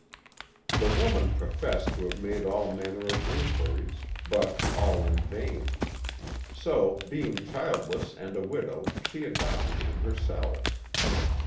The woman professed to have made all manner of inquiries, but all in vain: so, being childless and a widow, she adopted him herself.